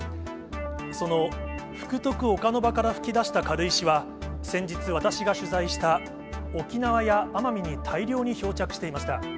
その福徳岡ノ場から噴き出した軽石は、先日、私が取材した沖縄や奄美に大量に漂着していました。